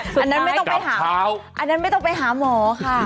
สุดท้ายกลับเช้าอันนั้นไม่ต้องไปหาอันนั้นไม่ต้องไปหาหมอค่ะ